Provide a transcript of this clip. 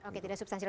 oke tidak substansial